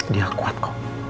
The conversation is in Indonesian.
dia kuat kok